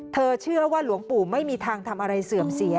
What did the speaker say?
เชื่อว่าหลวงปู่ไม่มีทางทำอะไรเสื่อมเสีย